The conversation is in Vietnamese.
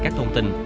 các thông tin